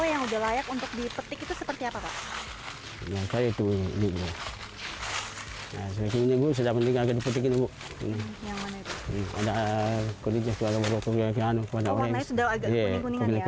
yang sudah layak untuk dipetik itu seperti apa pak